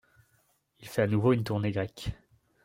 Il fait à nouveau une tournée grecque.